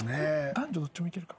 男女どっちもいけるか。